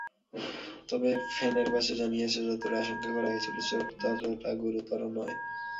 তবে ফেনেরবাচে জানিয়েছে, যতটা আশঙ্কা করা হয়েছিল চোট ততটা গুরুতর নয়।